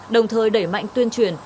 đồng thời đẩy mạnh tuyên truyền